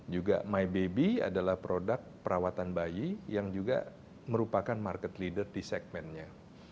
juga my baby adalah produk perawatan bayi yang juga merupakan market leader di segmennya